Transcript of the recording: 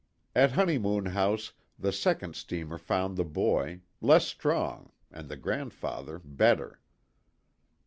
At Honeymoon House the second steamer found the boy less strong, and the grand father better.